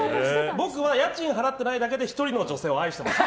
僕は家賃を払ってないだけで１人の女性を愛しています。